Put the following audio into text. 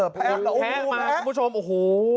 แพ้มาคุณผู้ชมโอ้โห